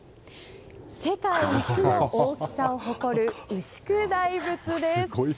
世界一の大きさを誇る牛久大仏です。